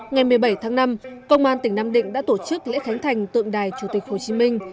ngày một mươi bảy tháng năm công an tỉnh nam định đã tổ chức lễ khánh thành tượng đài chủ tịch hồ chí minh